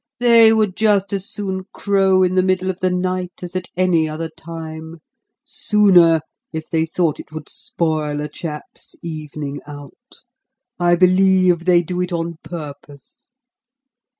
"They would just as soon crow in the middle of the night as at any other time sooner, if they thought it would spoil a chap's evening out. I believe they do it on purpose."